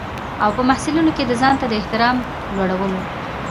او په محصلینو کې د ځانته د احترام لوړولو.